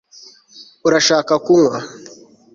urashaka kunywa